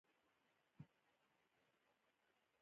ښایي دا ګډوډي د عمر تر پایه پاتې شي.